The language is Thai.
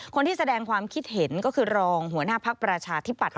คนที่แสดงความคิดเห็นก็คือรองหัวหน้าภักดิ์ประชาธิปัตย